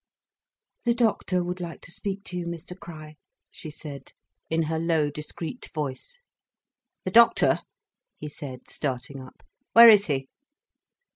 "The doctor would like to speak to you, Mr Crich," she said, in her low, discreet voice. "The doctor!" he said, starting up. "Where is he?"